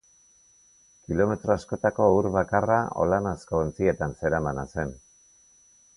Kilometro askotako ur bakarra olanazko ontzietan zeramana zen.